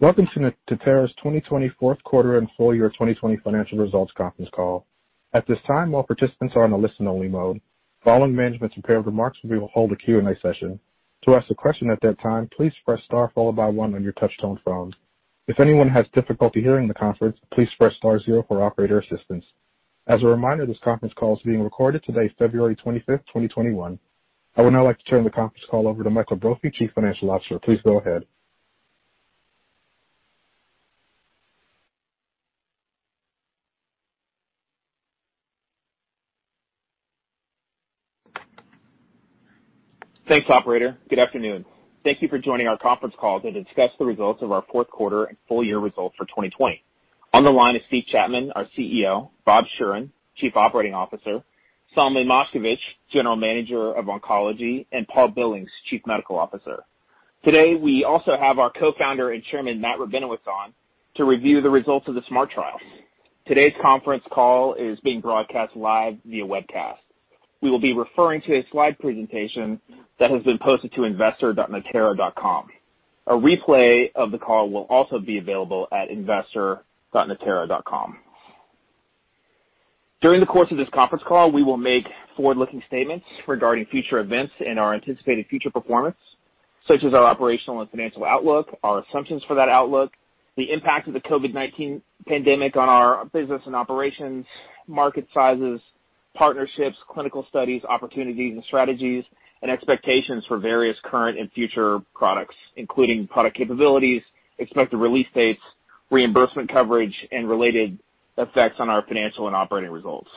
Welcome to Natera's 2020 fourth quarter and full year 2020 financial results conference call. At this time, all participants are on a listen-only mode. Following management's prepared remarks, we will hold a Q&A session. To ask a question at that time, please press star followed by one on your touch-tone phone. If anyone has difficulty hearing the conference, please press star zero for operator assistance. As a reminder, this conference call is being recorded today, February 25th, 2021. I would now like to turn the conference call over to Michael Brophy, Chief Financial Officer. Please go ahead. Thanks, operator. Good afternoon. Thank you for joining our conference call to discuss the results of our fourth quarter and full year results for 2020. On the line is Steve Chapman, our CEO, Robert Schueren, Chief Operating Officer, Solomon Moshkevich, General Manager of Oncology, and Paul Billings, Chief Medical Officer. Today, we also have our Co-Founder and Chairman, Matthew Rabinowitz, on to review the results of the SMART trial. Today's conference call is being broadcast live via webcast. We will be referring to a slide presentation that has been posted to investor.natera.com. A replay of the call will also be available at investor.natera.com. During the course of this conference call, we will make forward-looking statements regarding future events and our anticipated future performance, such as our operational and financial outlook, our assumptions for that outlook, the impact of the COVID-19 pandemic on our business and operations, market sizes, partnerships, clinical studies, opportunities and strategies, and expectations for various current and future products, including product capabilities, expected release dates, reimbursement coverage, and related effects on our financial and operating results.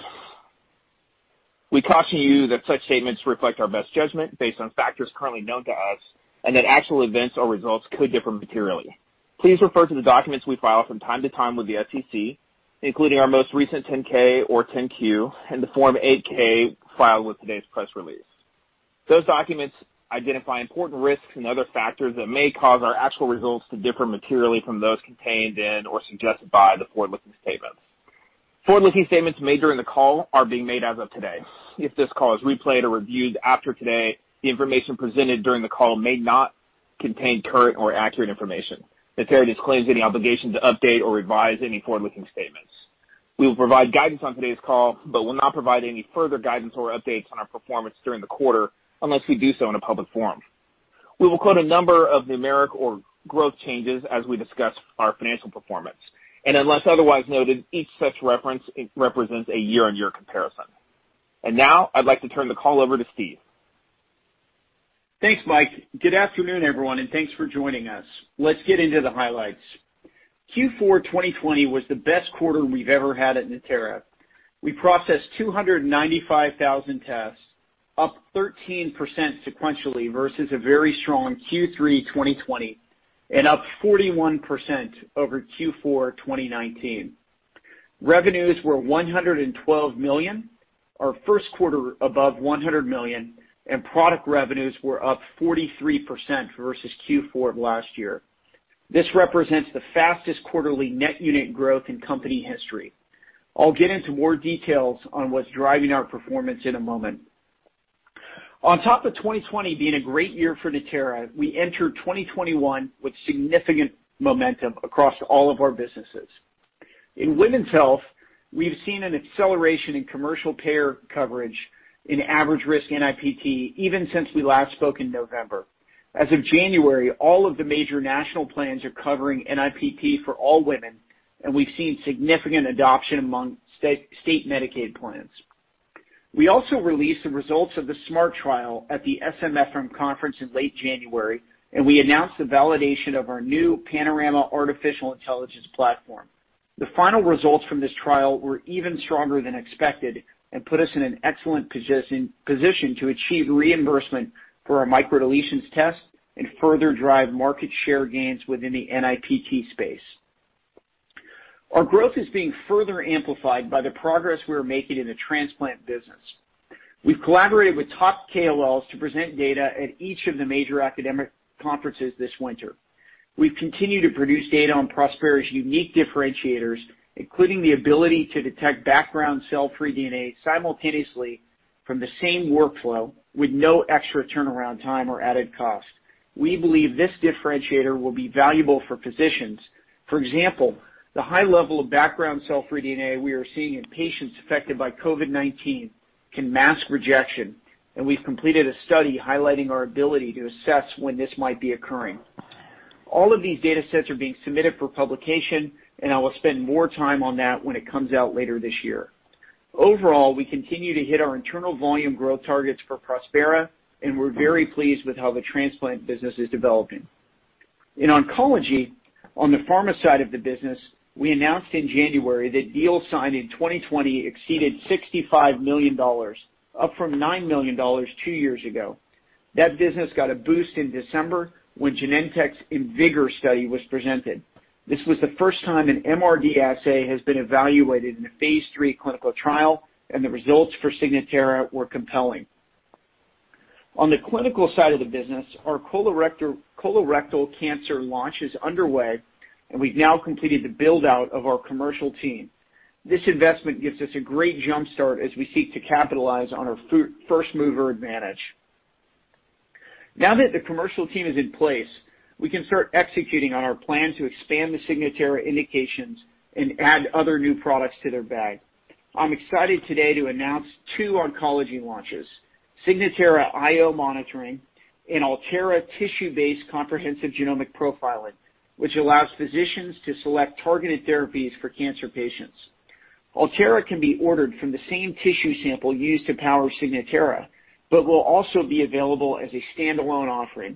We caution you that such statements reflect our best judgment based on factors currently known to us, and that actual events or results could differ materially. Please refer to the documents we file from time to time with the SEC, including our most recent 10-K or 10-Q, and the Form 8-K filed with today's press release. Those documents identify important risks and other factors that may cause our actual results to differ materially from those contained in or suggested by the forward-looking statements. Forward-looking statements made during the call are being made as of today. If this call is replayed or reviewed after today, the information presented during the call may not contain current or accurate information. Natera disclaims any obligation to update or revise any forward-looking statements. We will provide guidance on today's call, but will not provide any further guidance or updates on our performance during the quarter unless we do so in a public forum. We will quote a number of numeric or growth changes as we discuss our financial performance, and unless otherwise noted, each such reference represents a year-on-year comparison. Now I'd like to turn the call over to Steve. Thanks, Mike. Good afternoon, everyone, and thanks for joining us. Let's get into the highlights. Q4 2020 was the best quarter we've ever had at Natera. We processed 295,000 tests, up 13% sequentially versus a very strong Q3 2020, and up 41% over Q4 2019. Revenues were $112 million, our first quarter above $100 million, and product revenues were up 43% versus Q4 of last year. This represents the fastest quarterly net unit growth in company history. I'll get into more details on what's driving our performance in a moment. On top of 2020 being a great year for Natera, we enter 2021 with significant momentum across all of our businesses. In women's health, we've seen an acceleration in commercial payer coverage in average-risk NIPT even since we last spoke in November. As of January, all of the major national plans are covering NIPT for all women, and we've seen significant adoption among state Medicaid plans. We also released the results of the SMART trial at the SMFM conference in late January, and we announced the validation of our new Panorama artificial intelligence platform. The final results from this trial were even stronger than expected and put us in an excellent position to achieve reimbursement for our microdeletions test and further drive market share gains within the NIPT space. Our growth is being further amplified by the progress we are making in the transplant business. We've collaborated with top KOLs to present data at each of the major academic conferences this winter. We've continued to produce data on Prospera's unique differentiators, including the ability to detect background cell-free DNA simultaneously from the same workflow with no extra turnaround time or added cost. We believe this differentiator will be valuable for physicians. For example, the high level of background cell-free DNA we are seeing in patients affected by COVID-19 can mask rejection, and we've completed a study highlighting our ability to assess when this might be occurring. All of these data sets are being submitted for publication, and I will spend more time on that when it comes out later this year. Overall, we continue to hit our internal volume growth targets for Prospera, and we're very pleased with how the transplant business is developing. In oncology, on the pharma side of the business, we announced in January that deals signed in 2020 exceeded $65 million, up from $9 million two years ago. That business got a boost in December when Genentech's IMvigor study was presented. This was the first time an MRD assay has been evaluated in a phase III clinical trial, and the results for Signatera were compelling. On the clinical side of the business, our colorectal cancer launch is underway, and we've now completed the build-out of our commercial team. This investment gives us a great jumpstart as we seek to capitalize on our first-mover advantage. Now that the commercial team is in place, we can start executing on our plan to expand the Signatera indications and add other new products to their bag. I'm excited today to announce two oncology launches, Signatera IO monitoring and Altera tissue-based comprehensive genomic profiling, which allows physicians to select targeted therapies for cancer patients. Altera can be ordered from the same tissue sample used to power Signatera, but will also be available as a standalone offering.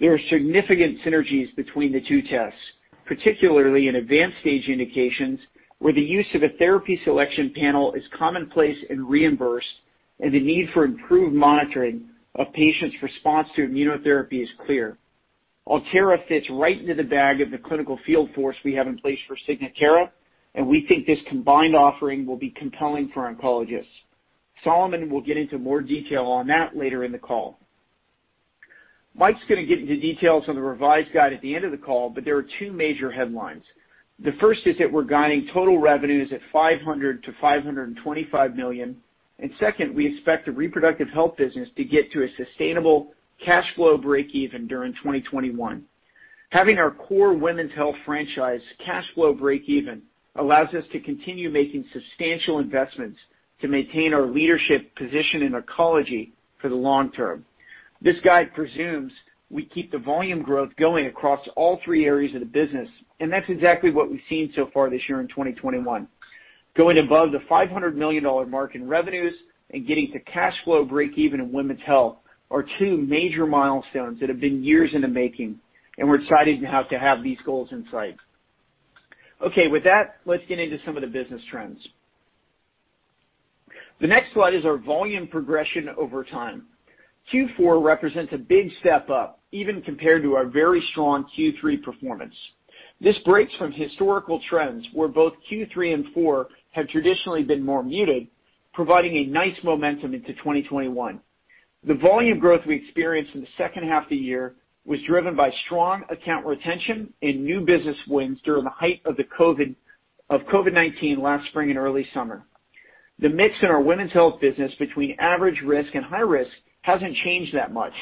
There are significant synergies between the two tests, particularly in advanced stage indications, where the use of a therapy selection panel is commonplace and reimbursed, and the need for improved monitoring of patients' response to immunotherapy is clear. Altera fits right into the bag of the clinical field force we have in place for Signatera. We think this combined offering will be compelling for oncologists. Solomon will get into more detail on that later in the call. Michael's going to get into details on the revised guide at the end of the call. There are two major headlines. The first is that we're guiding total revenues at $500 million-$525 million. Second, we expect the reproductive health business to get to a sustainable cash flow breakeven during 2021. Having our core women's health franchise cash flow breakeven allows us to continue making substantial investments to maintain our leadership position in oncology for the long term. This guide presumes we keep the volume growth going across all three areas of the business. That's exactly what we've seen so far this year in 2021. Going above the $500 million mark in revenues and getting to cash flow breakeven in women's health are two major milestones that have been years in the making. We're excited now to have these goals in sight. Okay. With that, let's get into some of the business trends. The next slide is our volume progression over time. Q4 represents a big step up even compared to our very strong Q3 performance. This breaks from historical trends where both Q3 and Q4 have traditionally been more muted, providing a nice momentum into 2021. The volume growth we experienced in the second half of the year was driven by strong account retention and new business wins during the height of COVID-19 last spring and early summer. The mix in our women's health business between average-risk and high risk hasn't changed that much.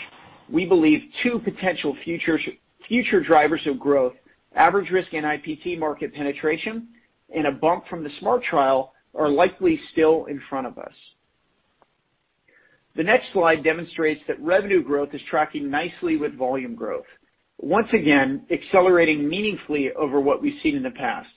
We believe two potential future drivers of growth, average-risk and NIPT market penetration, and a bump from the SMART trial are likely still in front of us. The next slide demonstrates that revenue growth is tracking nicely with volume growth, once again, accelerating meaningfully over what we've seen in the past.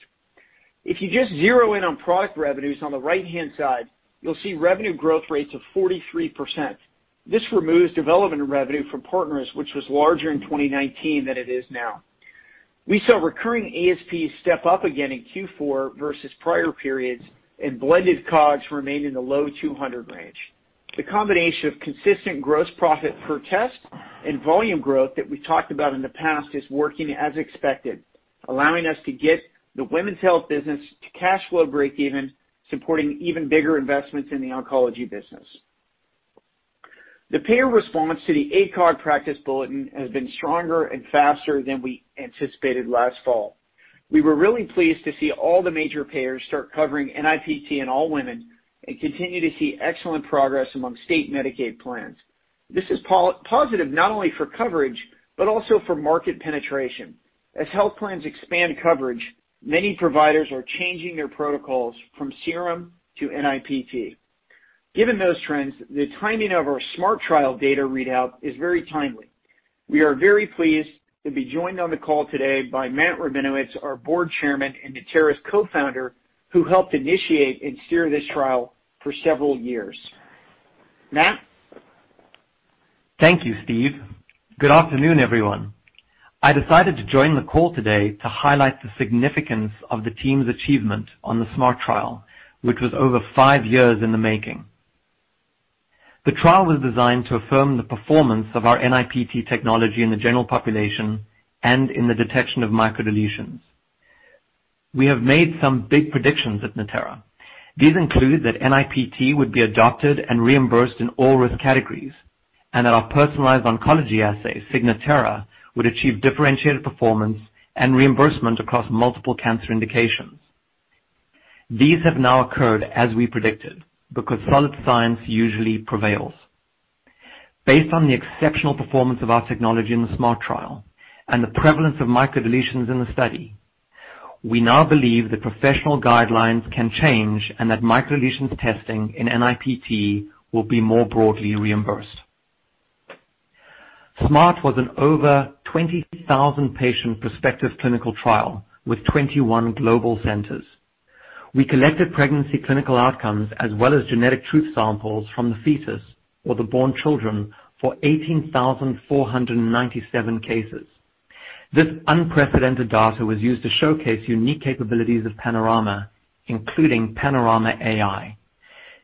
If you just zero in on product revenues on the right-hand side, you'll see revenue growth rates of 43%. This removes development revenue from partners, which was larger in 2019 than it is now. We saw recurring ASP step up again in Q4 versus prior periods, and blended COGS remained in the low $200 range. The combination of consistent gross profit per test and volume growth that we talked about in the past is working as expected, allowing us to get the women's health business to cash flow breakeven, supporting even bigger investments in the oncology business. The payer response to the ACOG Practice Bulletin has been stronger and faster than we anticipated last fall. We were really pleased to see all the major payers start covering NIPT in all women and continue to see excellent progress among state Medicaid plans. This is positive not only for coverage, but also for market penetration. As health plans expand coverage, many providers are changing their protocols from serum to NIPT. Given those trends, the timing of our SMART trial data readout is very timely. We are very pleased to be joined on the call today by Matt Rabinowitz, our Board Chairman and Natera's co-founder, who helped initiate and steer this trial for several years. Matt? Thank you, Steve. Good afternoon, everyone. I decided to join the call today to highlight the significance of the team's achievement on the SMART trial, which was over five years in the making. The trial was designed to affirm the performance of our NIPT technology in the general population and in the detection of microdeletions. We have made some big predictions at Natera. These include that NIPT would be adopted and reimbursed in all risk categories, and that our personalized oncology assay, Signatera, would achieve differentiated performance and reimbursement across multiple cancer indications. These have now occurred as we predicted because solid science usually prevails. Based on the exceptional performance of our technology in the SMART trial and the prevalence of microdeletions in the study, we now believe that professional guidelines can change and that microdeletions testing in NIPT will be more broadly reimbursed. SMART was an over 20,000-patient prospective clinical trial with 21 global centers. We collected pregnancy clinical outcomes as well as genetic truth samples from the fetus or the born children for 18,497 cases. This unprecedented data was used to showcase unique capabilities of Panorama, including Panorama AI.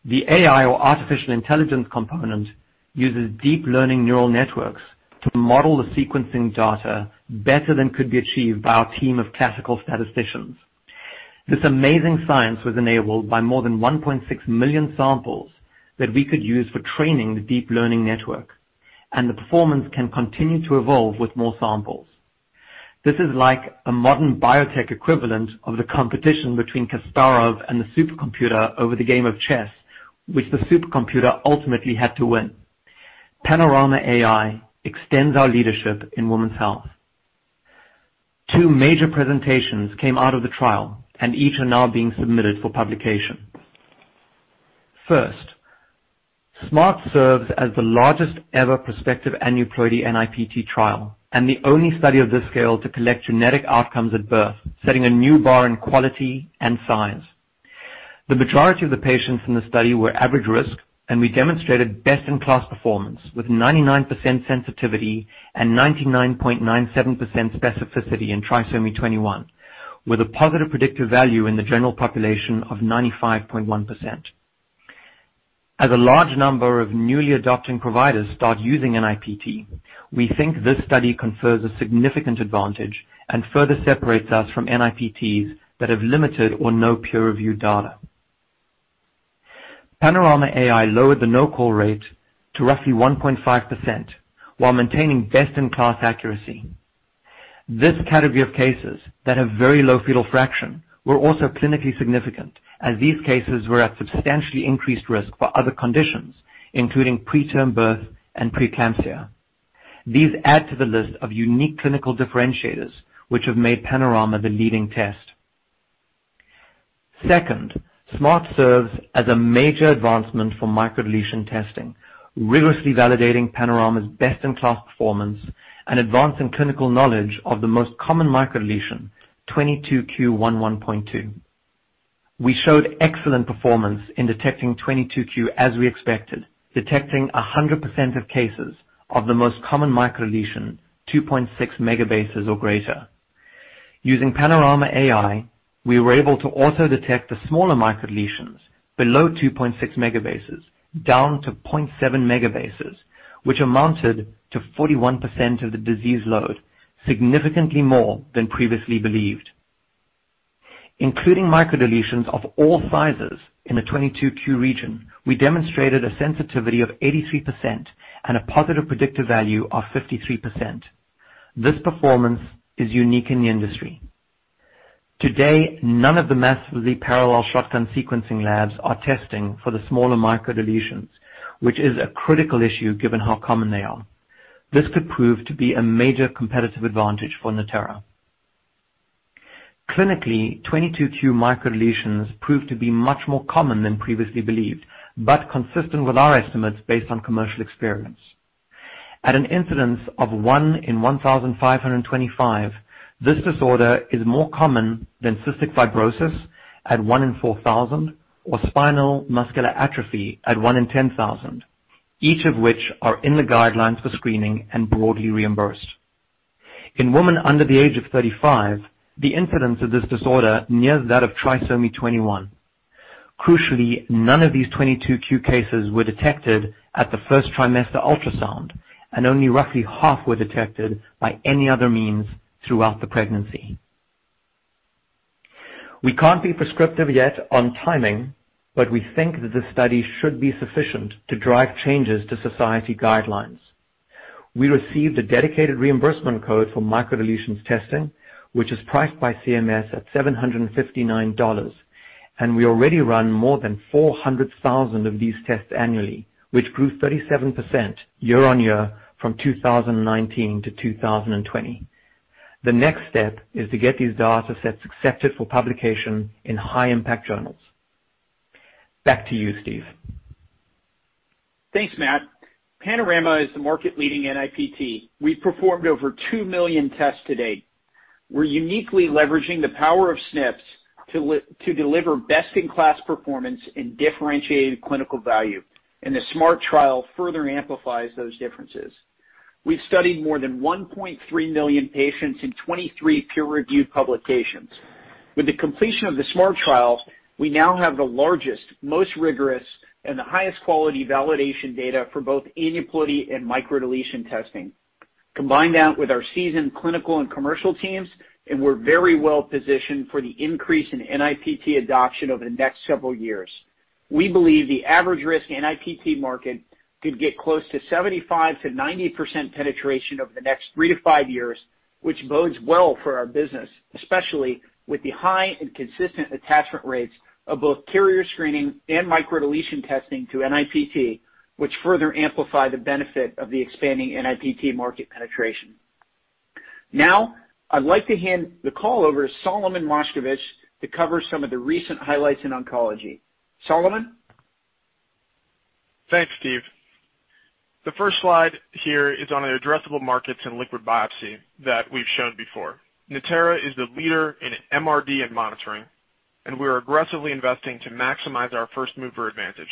The AI or artificial intelligence component uses deep learning neural networks to model the sequencing data better than could be achieved by our team of classical statisticians. This amazing science was enabled by more than 1.6 million samples that we could use for training the deep learning network, and the performance can continue to evolve with more samples. This is like a modern biotech equivalent of the competition between Kasparov and the supercomputer over the game of chess, which the supercomputer ultimately had to win. Panorama AI extends our leadership in women's health. Two major presentations came out of the trial, and each are now being submitted for publication. First, SMART serves as the largest ever prospective aneuploidy NIPT trial and the only study of this scale to collect genetic outcomes at birth, setting a new bar in quality and size. The majority of the patients in the study were average-risk, and we demonstrated best-in-class performance with 99% sensitivity and 99.97% specificity in trisomy 21, with a positive predictive value in the general population of 95.1%. As a large number of newly adopting providers start using NIPT, we think this study confers a significant advantage and further separates us from NIPTs that have limited or no peer-reviewed data. Panorama AI lowered the no-call rate to roughly 1.5% while maintaining best-in-class accuracy. This category of cases that have very low fetal fraction were also clinically significant, as these cases were at substantially increased risk for other conditions, including preterm birth and preeclampsia. These add to the list of unique clinical differentiators, which have made Panorama the leading test. Second, SMART serves as a major advancement for microdeletion testing, rigorously validating Panorama's best-in-class performance and advancing clinical knowledge of the most common microdeletion, 22q11.2 microdeletion syndrome. We showed excellent performance in detecting 22q11.2 microdeletion syndrome as we expected, detecting 100% of cases of the most common microdeletion, 2.6 megabases or greater. Using Panorama AI, we were able to also detect the smaller microdeletions below 2.6 megabases, down to 0.7 megabases, which amounted to 41% of the disease load, significantly more than previously believed. Including microdeletions of all sizes in the 22q11.2 region, we demonstrated a sensitivity of 83% and a positive predictive value of 53%. This performance is unique in the industry. Today, none of the massively parallel shotgun sequencing labs are testing for the smaller microdeletions, which is a critical issue given how common they are. This could prove to be a major competitive advantage for Natera. Clinically, 22q11.2 microdeletions prove to be much more common than previously believed, but consistent with our estimates based on commercial experience. At an incidence of one in 1,525, this disorder is more common than cystic fibrosis at one in 4,000 or spinal muscular atrophy at one in 10,000, each of which are in the guidelines for screening and broadly reimbursed. In women under the age of 35, the incidence of this disorder nears that of trisomy 21. Crucially, none of these 22q11.2 microdeletion syndrome cases were detected at the first trimester ultrasound, and only roughly half were detected by any other means throughout the pregnancy. We can't be prescriptive yet on timing, but we think that this study should be sufficient to drive changes to society guidelines. We received a dedicated reimbursement code for microdeletions testing, which is priced by CMS at $759, and we already run more than 400,000 of these tests annually, which grew 37% year-on-year from 2019-2020. The next step is to get these data sets accepted for publication in high-impact journals. Back to you, Steve. Thanks, Matt. Panorama is the market-leading NIPT. We've performed over two million tests to date. We're uniquely leveraging the power of SNPs to deliver best-in-class performance and differentiated clinical value. The SMART trial further amplifies those differences. We've studied more than 1.3 million patients in 23 peer-reviewed publications. With the completion of the SMART trial, we now have the largest, most rigorous, and the highest quality validation data for both aneuploidy and microdeletion testing. Combine that with our seasoned clinical and commercial teams. We're very well-positioned for the increase in NIPT adoption over the next several years. We believe the average-risk NIPT market could get close to 75%-90% penetration over the next three to five years, which bodes well for our business, especially with the high and consistent attachment rates of both carrier screening and microdeletion testing to NIPT, which further amplify the benefit of the expanding NIPT market penetration. Now, I'd like to hand the call over to Solomon Moshkevich to cover some of the recent highlights in oncology. Solomon? Thanks, Steve. The first slide here is on addressable markets in liquid biopsy that we've shown before. Natera is the leader in MRD and monitoring, and we're aggressively investing to maximize our first-mover advantage.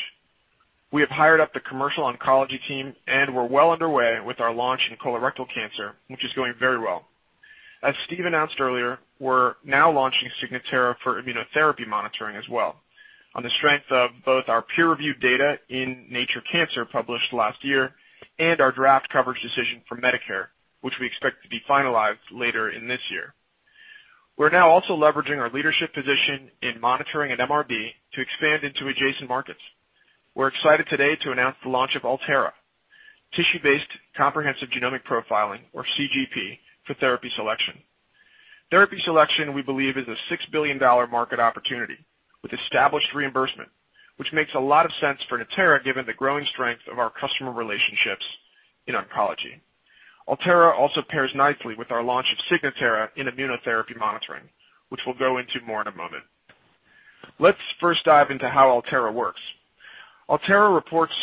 We have hired up the commercial oncology team, and we're well underway with our launch in colorectal cancer, which is going very well. As Steve announced earlier, we're now launching Signatera for immunotherapy monitoring as well, on the strength of both our peer-reviewed data in Nature Cancer, published last year, and our draft coverage decision from Medicare, which we expect to be finalized later in this year. We're now also leveraging our leadership position in monitoring and MRD to expand into adjacent markets. We're excited today to announce the launch of Altera, tissue-based comprehensive genomic profiling, or CGP, for therapy selection. Therapy selection, we believe, is a $6 billion market opportunity with established reimbursement, which makes a lot of sense for Natera given the growing strength of our customer relationships in oncology. Altera also pairs nicely with our launch of Signatera in immunotherapy monitoring, which we'll go into more in a moment. Let's first dive into how Altera works. Altera reports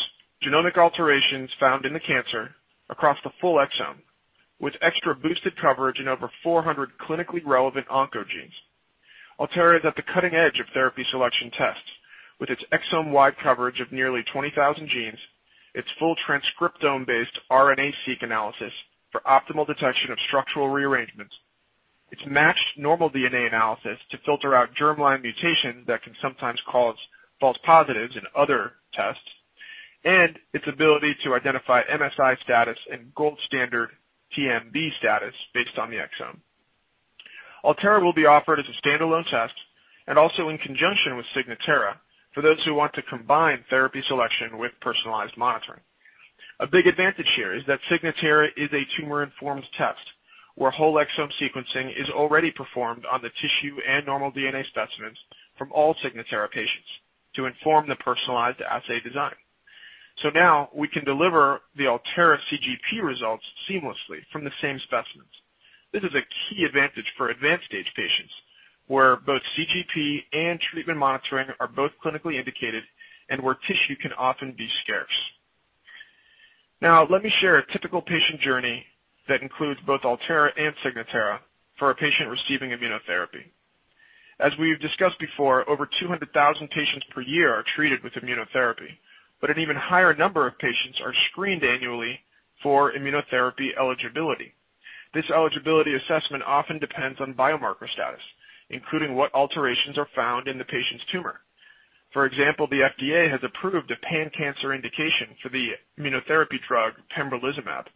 genomic alterations found in the cancer across the full exome, with extra boosted coverage in over 400 clinically relevant oncogenes. Altera is at the cutting edge of therapy selection tests, with its exome-wide coverage of nearly 20,000 genes, its full transcriptome-based RNA-Seq analysis for optimal detection of structural rearrangements, its matched normal DNA analysis to filter out germline mutations that can sometimes cause false positives in other tests, and its ability to identify MSI status and gold standard TMB status based on the exome. Altera will be offered as a standalone test and also in conjunction with Signatera for those who want to combine therapy selection with personalized monitoring. A big advantage here is that Signatera is a tumor-informed test, where whole exome sequencing is already performed on the tissue and normal DNA specimens from all Signatera patients to inform the personalized assay design. We can deliver the Altera CGP results seamlessly from the same specimens. This is a key advantage for advanced stage patients, where both CGP and treatment monitoring are both clinically indicated and where tissue can often be scarce. Let me share a typical patient journey that includes both Altera and Signatera for a patient receiving immunotherapy. As we've discussed before, over 200,000 patients per year are treated with immunotherapy, but an even higher number of patients are screened annually for immunotherapy eligibility. This eligibility assessment often depends on biomarker status, including what alterations are found in the patient's tumor. For example, the FDA has approved a pan-cancer indication for the immunotherapy drug pembrolizumab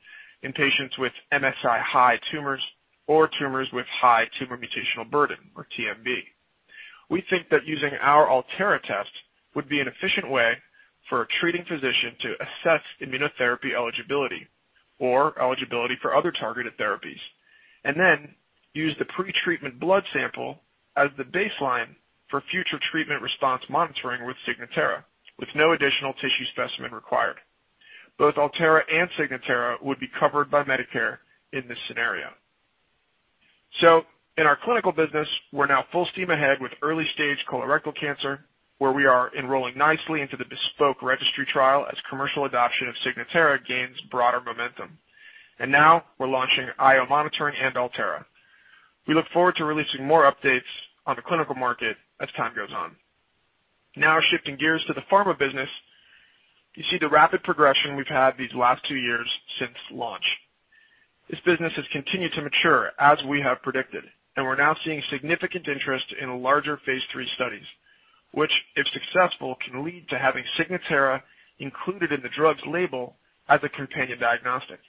in patients with MSI-high tumors or tumors with high tumor mutational burden, or TMB. We think that using our Altera test would be an efficient way for a treating physician to assess immunotherapy eligibility or eligibility for other targeted therapies, and then use the pretreatment blood sample as the baseline for future treatment response monitoring with Signatera, with no additional tissue specimen required. Both Altera and Signatera would be covered by Medicare in this scenario. In our clinical business, we're now full steam ahead with early-stage colorectal cancer, where we are enrolling nicely into the Bespoke CRC registry trial as commercial adoption of Signatera gains broader momentum. Now we're launching IO monitoring and Altera. We look forward to releasing more updates on the clinical market as time goes on. Now shifting gears to the pharma business, you see the rapid progression we've had these last two years since launch. This business has continued to mature as we have predicted, and we're now seeing significant interest in larger phase III studies, which, if successful, can lead to having Signatera included in the drug's label as a companion diagnostic.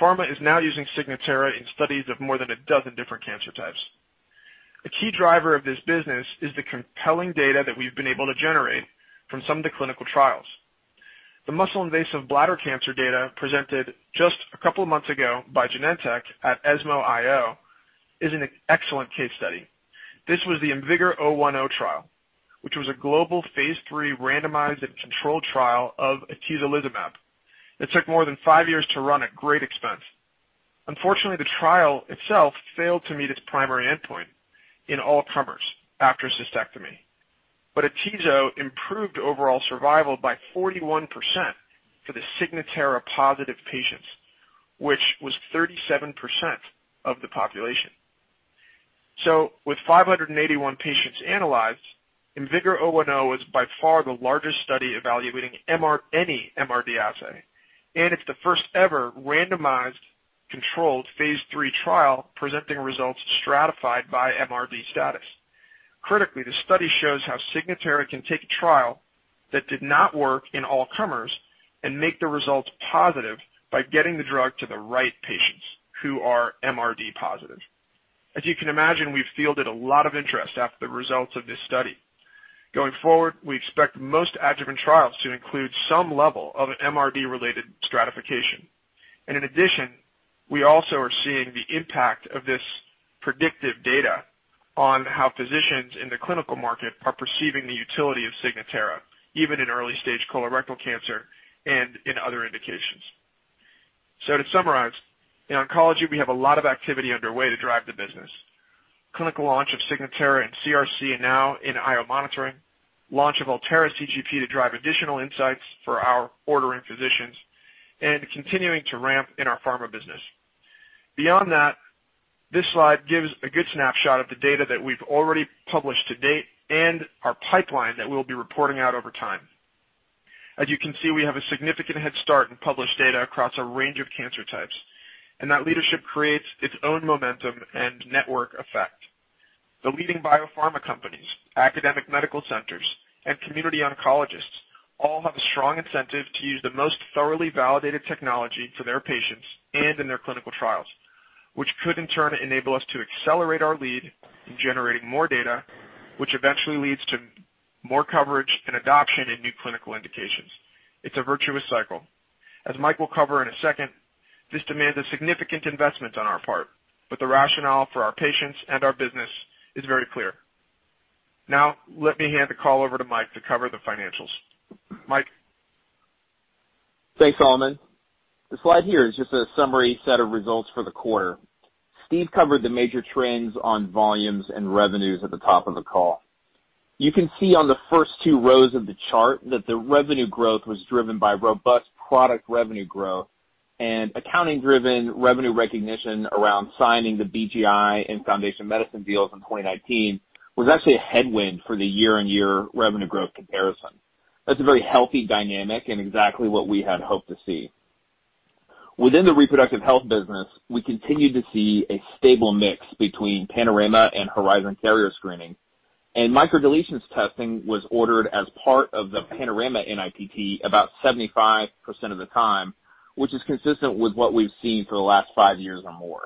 Pharma is now using Signatera in studies of more than 12 different cancer types. A key driver of this business is the compelling data that we've been able to generate from some of the clinical trials. The muscle-invasive bladder cancer data presented just a couple of months ago by Genentech at ESMO IO is an excellent case study. This was the IMvigor010 trial, which was a global phase III randomized and controlled trial of atezolizumab that took more than five years to run at great expense. Unfortunately, the trial itself failed to meet its primary endpoint in all comers after cystectomy. Atezolizumab improved overall survival by 41% for the Signatera-positive patients, which was 37% of the population. With 581 patients analyzed, IMvigor010 is by far the largest study evaluating any MRD assay, and it's the first ever randomized controlled phase III trial presenting results stratified by MRD status. Critically, the study shows how Signatera can take a trial that did not work in all comers and make the results positive by getting the drug to the right patients who are MRD positive. As you can imagine, we've fielded a lot of interest after the results of this study. Going forward, we expect most adjuvant trials to include some level of MRD-related stratification. In addition, we also are seeing the impact of this predictive data on how physicians in the clinical market are perceiving the utility of Signatera, even in early-stage colorectal cancer and in other indications. To summarize, in oncology, we have a lot of activity underway to drive the business. Clinical launch of Signatera in CRC and now in IO monitoring, launch of Altera CGP to drive additional insights for our ordering physicians, and continuing to ramp in our pharma business. Beyond that, this slide gives a good snapshot of the data that we've already published to date and our pipeline that we'll be reporting out over time. As you can see, we have a significant head start in published data across a range of cancer types. That leadership creates its own momentum and network effect. The leading biopharma companies, academic medical centers, and community oncologists all have a strong incentive to use the most thoroughly validated technology for their patients and in their clinical trials, which could in turn enable us to accelerate our lead in generating more data, which eventually leads to more coverage and adoption in new clinical indications. It's a virtuous cycle. As Mike will cover in a second, this demands a significant investment on our part. The rationale for our patients and our business is very clear. Let me hand the call over to Mike to cover the financials. Mike? Thanks, Solomon. The slide here is just a summary set of results for the quarter. Steve covered the major trends on volumes and revenues at the top of the call. You can see on the first two rows of the chart that the revenue growth was driven by robust product revenue growth and accounting-driven revenue recognition around signing the BGI and Foundation Medicine deals in 2019, was actually a headwind for the year-on-year revenue growth comparison. That's a very healthy dynamic and exactly what we had hoped to see. Within the reproductive health business, we continued to see a stable mix between Panorama and Horizon carrier screening, and microdeletions testing was ordered as part of the Panorama NIPT about 75% of the time, which is consistent with what we've seen for the last five years or more.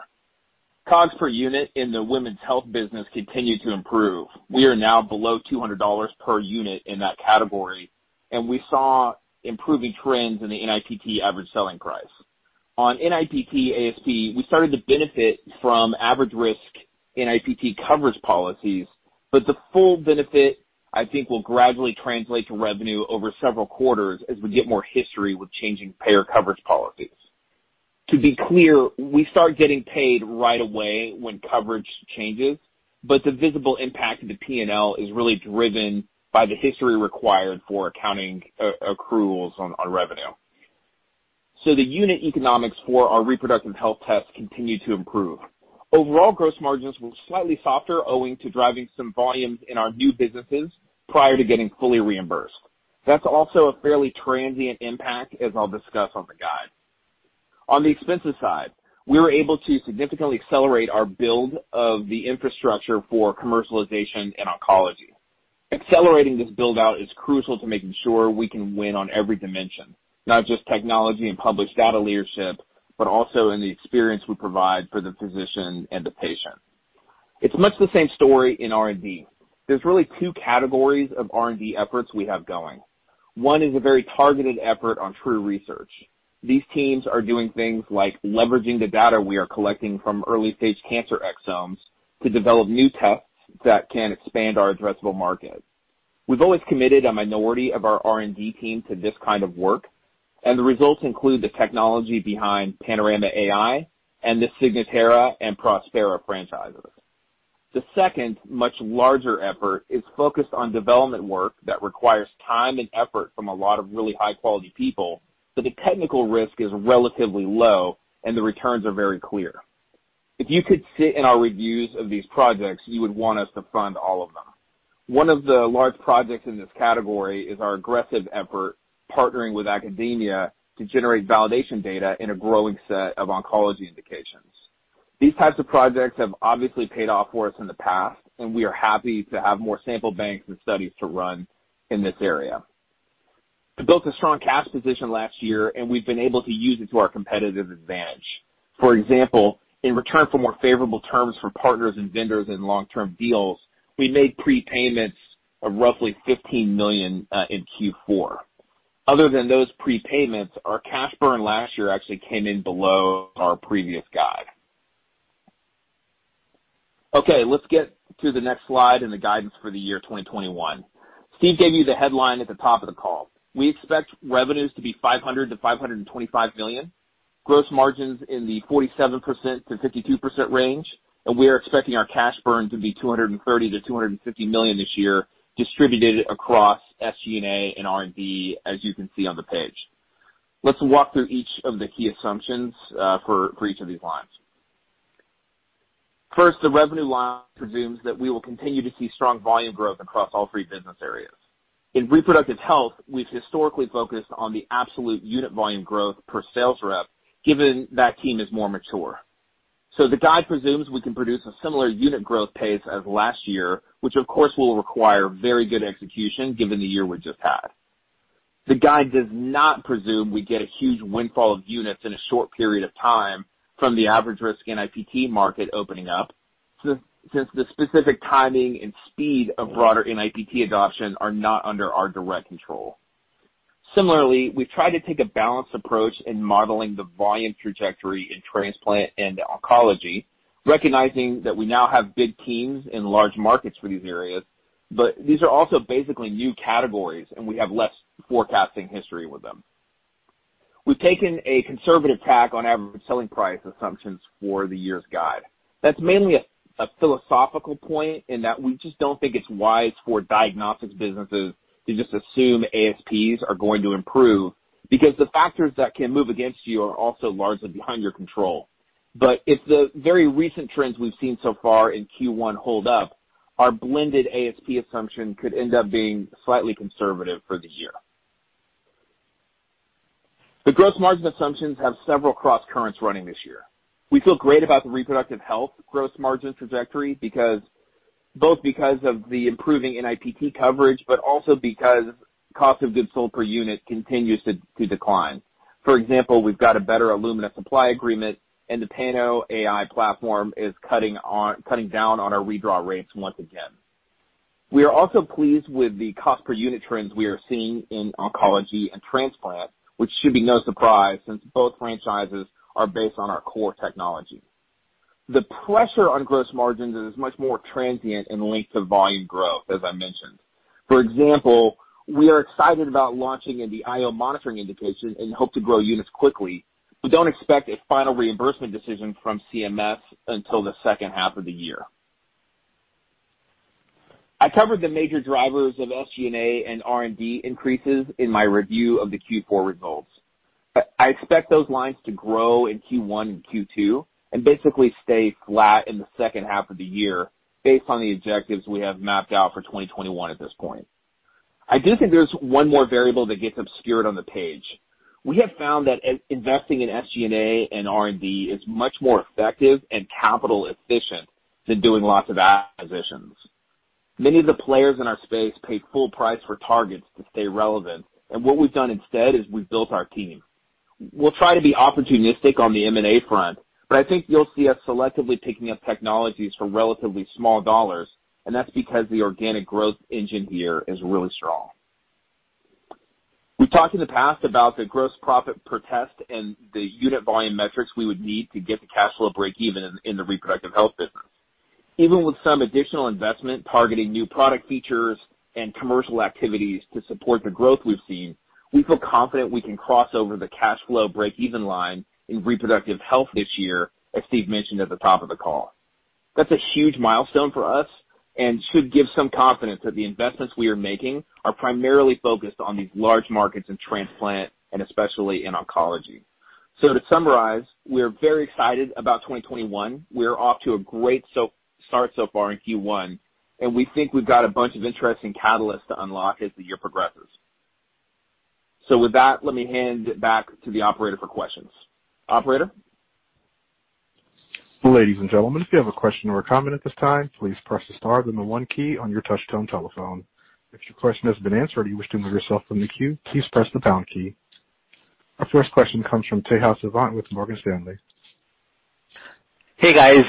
COGS per unit in the women's health business continued to improve. We are now below $200 per unit in that category. We saw improving trends in the NIPT average selling price. On NIPT ASP, we started to benefit from average risk NIPT coverage policies, the full benefit, I think, will gradually translate to revenue over several quarters as we get more history with changing payer coverage policies. To be clear, we start getting paid right away when coverage changes, the visible impact of the P&L is really driven by the history required for accounting accruals on our revenue. The unit economics for our reproductive health tests continue to improve. Overall gross margins were slightly softer owing to driving some volumes in our new businesses prior to getting fully reimbursed. That's also a fairly transient impact, as I'll discuss on the guide. On the expenses side, we were able to significantly accelerate our build of the infrastructure for commercialization and oncology. Accelerating this build-out is crucial to making sure we can win on every dimension, not just technology and published data leadership, but also in the experience we provide for the physician and the patient. It's much the same story in R&D. There's really two categories of R&D efforts we have going. One is a very targeted effort on true research. These teams are doing things like leveraging the data we are collecting from early-stage cancer exomes to develop new tests that can expand our addressable market. We've always committed a minority of our R&D team to this kind of work. The results include the technology behind Panorama AI and the Signatera and Prospera franchises. The second, much larger effort is focused on development work that requires time and effort from a lot of really high-quality people, but the technical risk is relatively low and the returns are very clear. If you could sit in our reviews of these projects, you would want us to fund all of them. One of the large projects in this category is our aggressive effort, partnering with academia to generate validation data in a growing set of oncology indications. These types of projects have obviously paid off for us in the past, and we are happy to have more sample banks and studies to run in this area. We built a strong cash position last year, and we've been able to use it to our competitive advantage. For example, in return for more favorable terms for partners and vendors in long-term deals, we made prepayments of roughly $15 million in Q4. Other than those prepayments, our cash burn last year actually came in below our previous guide. Okay, let's get to the next slide and the guidance for the year 2021. Steve gave you the headline at the top of the call. We expect revenues to be $500 million-$525 million, gross margins in the 47%-52% range, and we are expecting our cash burn to be $230 million-$250 million this year, distributed across SG&A and R&D, as you can see on the page. Let's walk through each of the key assumptions for each of these lines. First, the revenue line presumes that we will continue to see strong volume growth across all three business areas. In reproductive health, we've historically focused on the absolute unit volume growth per sales rep, given that team is more mature. The guide presumes we can produce a similar unit growth pace as last year, which of course will require very good execution given the year we just had. The guide does not presume we get a huge windfall of units in a short period of time from the average-risk NIPT market opening up, since the specific timing and speed of broader NIPT adoption are not under our direct control. We've tried to take a balanced approach in modeling the volume trajectory in transplant and oncology, recognizing that we now have big teams in large markets for these areas, but these are also basically new categories, and we have less forecasting history with them. We've taken a conservative tack on average selling price assumptions for the year's guide. That's mainly a philosophical point in that we just don't think it's wise for diagnostics businesses to just assume ASPs are going to improve, because the factors that can move against you are also largely behind your control. If the very recent trends we've seen so far in Q1 hold up, our blended ASP assumption could end up being slightly conservative for the year. The gross margin assumptions have several crosscurrents running this year. We feel great about the reproductive health gross margin trajectory both because of the improving NIPT coverage, but also because cost of goods sold per unit continues to decline. For example, we've got a better Illumina supply agreement, and the Panorama AI platform is cutting down on our redraw rates once again. We are also pleased with the cost per unit trends we are seeing in oncology and transplant, which should be no surprise since both franchises are based on our core technology. The pressure on gross margins is much more transient and linked to volume growth, as I mentioned. For example, we are excited about launching in the IO monitoring indication and hope to grow units quickly, but don't expect a final reimbursement decision from CMS until the second half of the year. I covered the major drivers of SG&A and R&D increases in my review of the Q4 results. I expect those lines to grow in Q1 and Q2 and basically stay flat in the second half of the year based on the objectives we have mapped out for 2021 at this point. I do think there's one more variable that gets obscured on the page. We have found that investing in SG&A and R&D is much more effective and capital efficient than doing lots of acquisitions. Many of the players in our space paid full price for targets to stay relevant. What we've done instead is we've built our team. We'll try to be opportunistic on the M&A front. I think you'll see us selectively picking up technologies for relatively small dollars, and that's because the organic growth engine here is really strong. We've talked in the past about the gross profit per test and the unit volume metrics we would need to get to cash flow breakeven in the reproductive health business. Even with some additional investment targeting new product features and commercial activities to support the growth we've seen, we feel confident we can cross over the cash flow breakeven line in reproductive health this year, as Steve mentioned at the top of the call. That's a huge milestone for us and should give some confidence that the investments we are making are primarily focused on these large markets in transplant and especially in oncology. To summarize, we are very excited about 2021. We are off to a great start so far in Q1, we think we've got a bunch of interesting catalysts to unlock as the year progresses. With that, let me hand it back to the operator for questions. Operator? Ladies and gentlemen. If you have a question or a comment at this time, please press the star, then the one key on your touch-tone telephone. If your question has been answered, you wish to move yourself from the queue, please press the pound key. Our first question comes from Tejas Savant with Morgan Stanley. Hey, guys.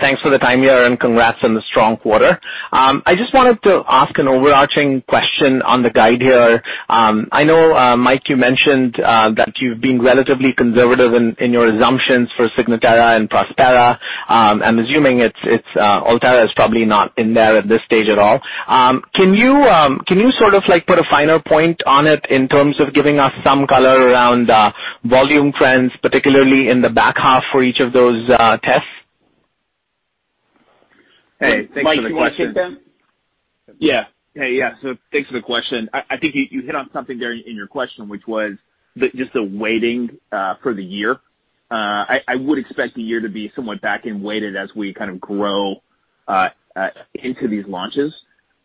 Thanks for the time here. Congrats on the strong quarter. I just wanted to ask an overarching question on the guide here. I know, Mike, you mentioned that you've been relatively conservative in your assumptions for Signatera and Prospera. I'm assuming Altera is probably not in there at this stage at all. Can you sort of put a finer point on it in terms of giving us some color around volume trends, particularly in the back half for each of those tests? Hey, thanks for the question. Mike, do you want to take that? Yeah. Hey, yeah. Thanks for the question. I think you hit on something there in your question, which was just the weighting for the year. I would expect the year to be somewhat back-end weighted as we kind of grow into these launches.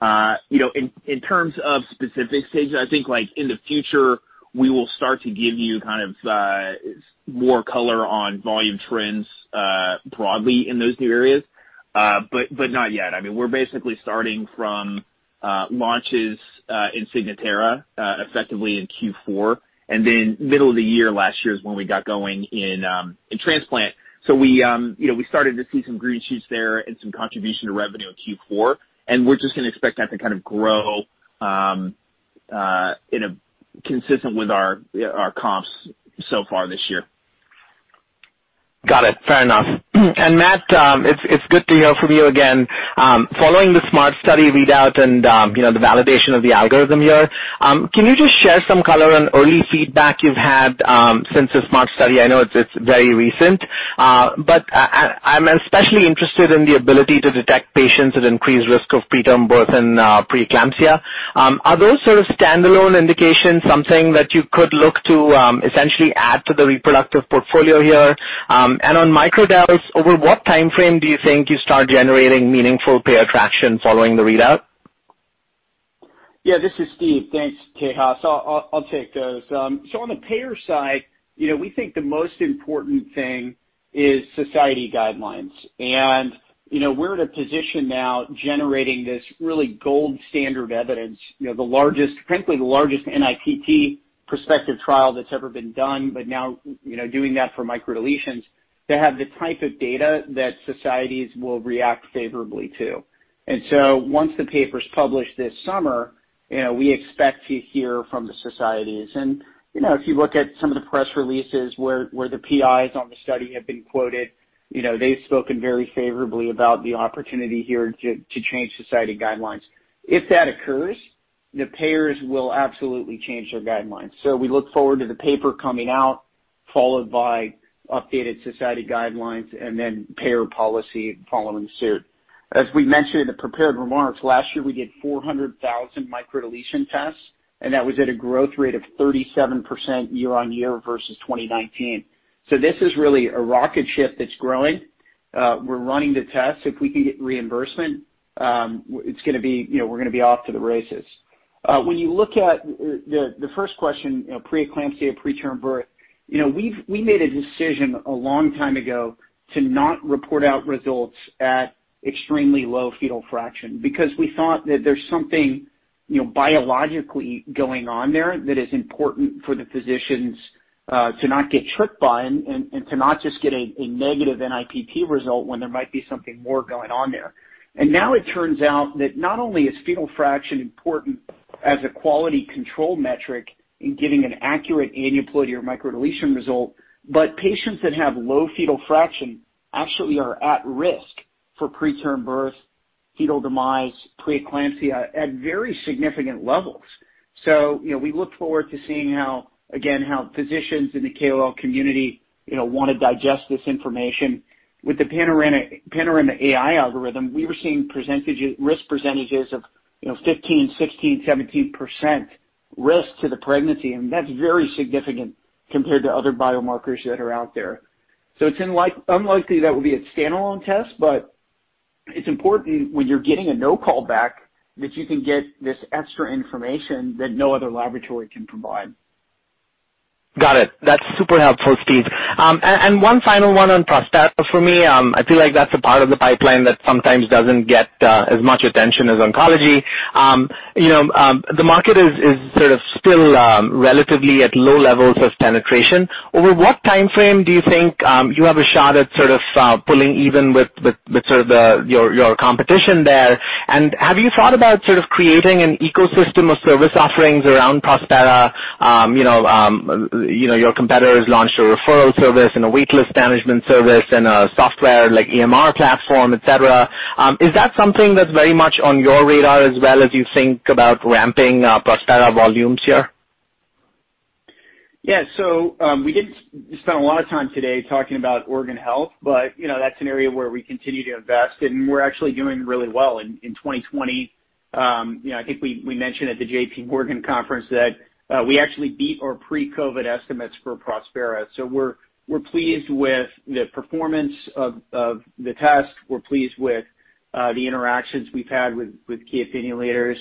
In terms of specifics, Tejas, I think in the future, we will start to give you more color on volume trends broadly in those new areas. Not yet. We're basically starting from launches in Signatera, effectively in Q4, and then middle of the year last year is when we got going in transplant. We started to see some green shoots there and some contribution to revenue in Q4, and we're just going to expect that to grow consistent with our comps so far this year. Got it. Fair enough. Matt, it's good to hear from you again. Following the SMART study readout and the validation of the algorithm here, can you just share some color on early feedback you've had since the SMART study? I know it's very recent. I'm especially interested in the ability to detect patients at increased risk of preterm birth and preeclampsia. Are those sort of standalone indications something that you could look to essentially add to the reproductive portfolio here? On microdeletions, over what timeframe do you think you start generating meaningful payer traction following the readout? This is Steve. Thanks, Tejas. I'll take those. On the payer side, we think the most important thing is society guidelines. We're in a position now generating this really gold standard evidence, frankly the largest NIPT prospective trial that's ever been done, but now doing that for microdeletions to have the type of data that societies will react favorably to. Once the paper's published this summer, we expect to hear from the societies. If you look at some of the press releases where the PIs on the study have been quoted, they've spoken very favorably about the opportunity here to change society guidelines. If that occurs, the payers will absolutely change their guidelines. We look forward to the paper coming out, followed by updated society guidelines, and then payer policy following suit. As we mentioned in the prepared remarks, last year, we did 400,000 microdeletion tests, and that was at a growth rate of 37% year-over-year versus 2019. This is really a rocket ship that's growing. We're running the test. If we can get reimbursement, we're going to be off to the races. When you look at the first question, preeclampsia, preterm birth, we made a decision a long time ago to not report out results at extremely low fetal fraction because we thought that there's something biologically going on there that is important for the physicians to not get tricked by and to not just get a negative NIPT result when there might be something more going on there. It turns out that not only is fetal fraction important as a quality control metric in getting an accurate aneuploidy or microdeletion result, patients that have low fetal fraction actually are at risk for preterm birth, fetal demise, preeclampsia at very significant levels. We look forward to seeing, again, how physicians in the KOL community want to digest this information. With the Panorama AI algorithm, we were seeing risk percentages of 15%, 16%, 17% risk to the pregnancy, that's very significant compared to other biomarkers that are out there. It's unlikely that will be a standalone test, it's important when you're getting a no callback that you can get this extra information that no other laboratory can provide. Got it. That's super helpful, Steve. One final one on Prospera for me. I feel like that's a part of the pipeline that sometimes doesn't get as much attention as oncology. The market is sort of still relatively at low levels of penetration. Over what time frame do you think you have a shot at sort of pulling even with your competition there, and have you thought about sort of creating an ecosystem of service offerings around Prospera? Your competitors launched a referral service and a wait list management service and a software like EMR platform, et cetera. Is that something that's very much on your radar as well as you think about ramping up Prospera volumes here? We didn't spend a lot of time today talking about organ health, but that's an area where we continue to invest, and we're actually doing really well in 2020. I think we mentioned at the JPMorgan conference that we actually beat our pre-COVID estimates for Prospera. We're pleased with the performance of the test. We're pleased with the interactions we've had with Key Opinion Leaders.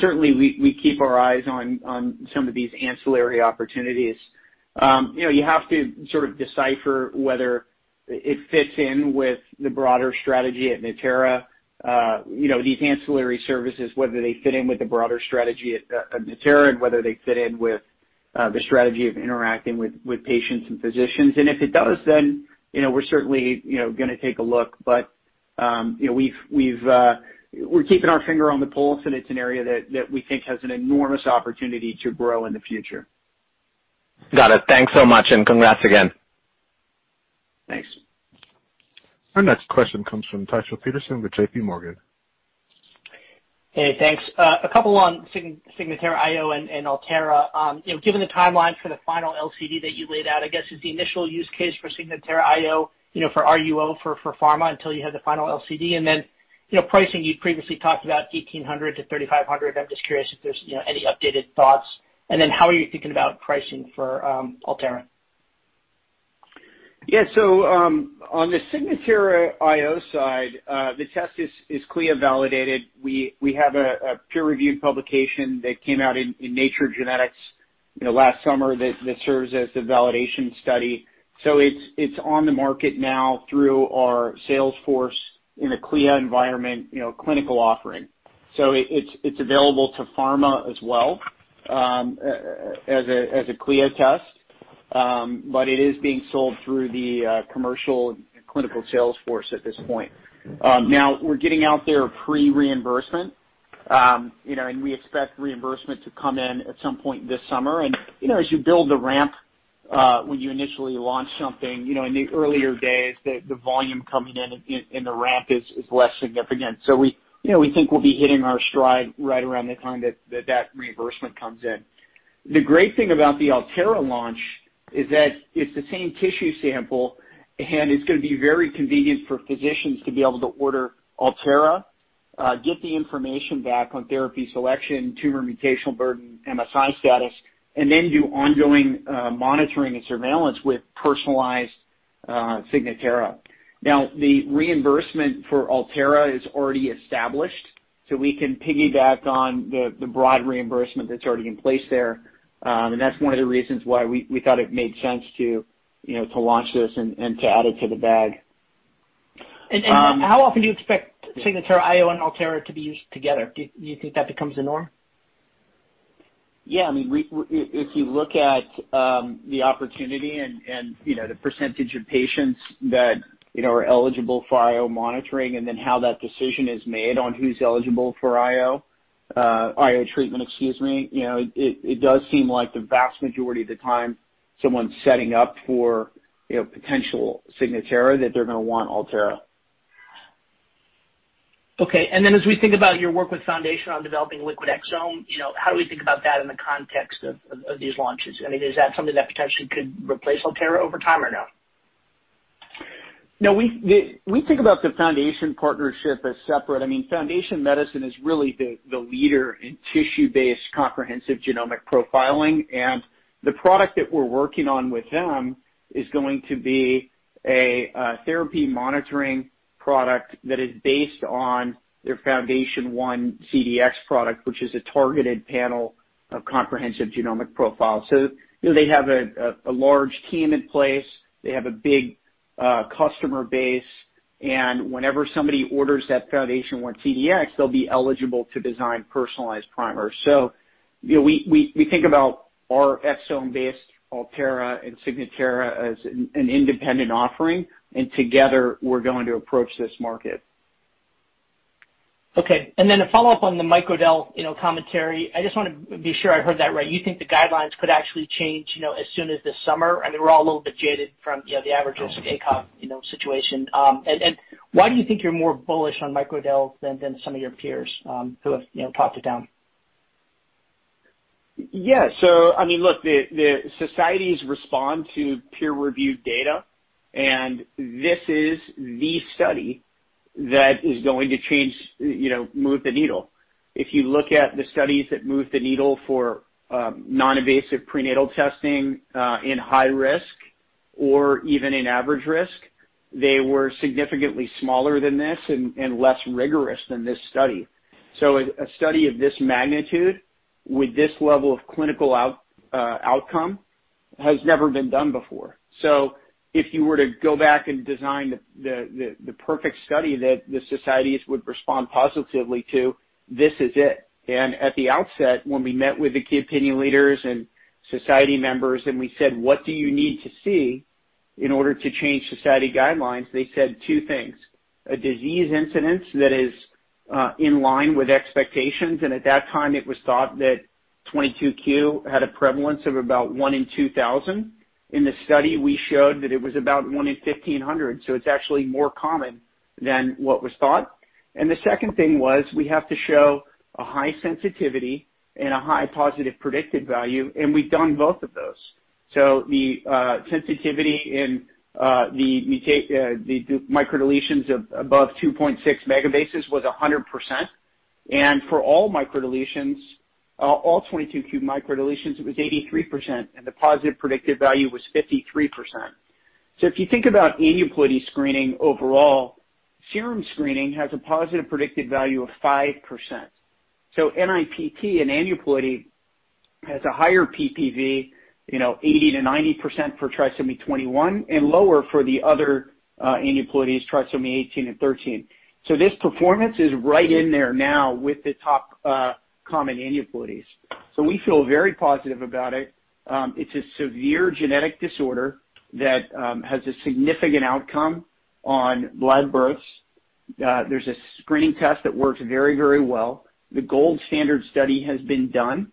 Certainly, we keep our eyes on some of these ancillary opportunities. You have to sort of decipher whether it fits in with the broader strategy at Natera. These ancillary services, whether they fit in with the broader strategy at Natera and whether they fit in with the strategy of interacting with patients and physicians. If it does, we're certainly going to take a look. We're keeping our finger on the pulse, and it's an area that we think has an enormous opportunity to grow in the future. Got it. Thanks so much, and congrats again. Thanks. Our next question comes from Tycho Peterson with JPMorgan. Hey, thanks. A couple on Signatera-IO and Altera. Given the timeline for the final LCD that you laid out, I guess, is the initial use case for Signatera-IO for RUO for pharma until you have the final LCD? Then, pricing, you previously talked about $1,800-$3,500. I'm just curious if there's any updated thoughts. Then how are you thinking about pricing for Altera? Yeah. On the Signatera-IO side, the test is CLIA validated. We have a peer-reviewed publication that came out in Nature Genetics last summer that serves as the validation study. It's on the market now through our sales force in a CLIA environment clinical offering. It's available to pharma as well as a CLIA test. It is being sold through the commercial clinical sales force at this point. We're getting out there pre-reimbursement, and we expect reimbursement to come in at some point this summer. As you build the ramp when you initially launch something, in the earlier days, the volume coming in and the ramp is less significant. We think we'll be hitting our stride right around the time that that reimbursement comes in. The great thing about the Altera launch is that it's the same tissue sample, and it's going to be very convenient for physicians to be able to order Altera, get the information back on therapy selection, tumor mutational burden, MSI status, and then do ongoing monitoring and surveillance with personalized Signatera. Now, the reimbursement for Altera is already established, so we can piggyback on the broad reimbursement that's already in place there. That's one of the reasons why we thought it made sense to launch this and to add it to the bag. How often do you expect Signatera-IO and Altera to be used together? Do you think that becomes the norm? If you look at the opportunity and the percentage of patients that are eligible for IO monitoring and then how that decision is made on who's eligible for IO treatment, it does seem like the vast majority of the time, someone setting up for potential Signatera, that they're going to want Altera. Okay. As we think about your work with Foundation Medicine on developing liquid exome, how do we think about that in the context of these launches? Is that something that potentially could replace Altera over time, or no? We think about the Foundation partnership as separate. Foundation Medicine is really the leader in tissue-based comprehensive genomic profiling. The product that we're working on with them is going to be a therapy monitoring product that is based on their FoundationOne CDx product, which is a targeted panel of comprehensive genomic profiles. They have a large team in place. They have a big customer base. Whenever somebody orders that FoundationOne CDx, they'll be eligible to design personalized primers. We think about our exome-based Altera and Signatera as an independent offering. Together we're going to approach this market. Okay, a follow-up on the microdel commentary. I just want to be sure I heard that right. You think the guidelines could actually change as soon as this summer? I mean, we're all a little bit jaded from the average-risk ACOG situation. Why do you think you're more bullish on microdels than some of your peers who have talked it down? Yeah. Look, the societies respond to peer-reviewed data, this is the study that is going to change, move the needle. If you look at the studies that moved the needle for non-invasive prenatal testing in high risk or even in average-risk, they were significantly smaller than this and less rigorous than this study. A study of this magnitude with this level of clinical outcome has never been done before. If you were to go back and design the perfect study that the societies would respond positively to, this is it. At the outset, when we met with the key opinion leaders and society members and we said, "What do you need to see in order to change society guidelines?" They said two things. A disease incidence that is in line with expectations, and at that time it was thought that 22q11.2 microdeletion syndrome had a prevalence of about one in 2,000. In the study, we showed that it was about one in 1,500, so it's actually more common than what was thought. The second thing was we have to show a high sensitivity and a high positive predictive value, and we've done both of those. The sensitivity in the microdeletions of above 2.6 megabases was 100%. For all microdeletions, all 22q11.2 microdeletions, it was 83%, and the positive predictive value was 53%. If you think about aneuploidy screening overall, serum screening has a positive predictive value of 5%. NIPT and aneuploidy has a higher PPV, 80%-90% for trisomy 21 and lower for the other aneuploidies, trisomy 18 and 13. This performance is right in there now with the top common aneuploidies. We feel very positive about it. It's a severe genetic disorder that has a significant outcome on live births. There's a screening test that works very well. The gold standard study has been done,